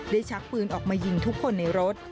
ชักปืนออกมายิงทุกคนในรถ